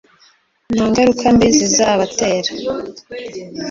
nta ngaruka mbi zizabatera.